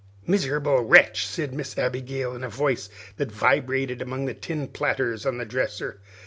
"Miserable wretch!" said Miss Abigail, in a voice that vibrated among the tin platters on the dresser.